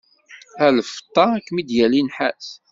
A lfeṭṭa, ad kem-id-yali nnḥas.